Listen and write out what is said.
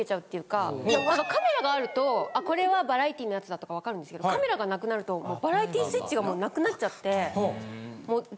カメラがあるとこれはバラエティーのやつだとか分かるんですけどカメラがなくなるとバラエティースイッチがもうなくなっちゃって。